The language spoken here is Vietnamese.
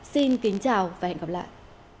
xin kính chào và hẹn gặp lại